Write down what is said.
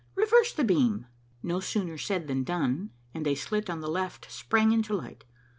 "Reverse the beam." No sooner said than done, and a slit on the left sprang into light.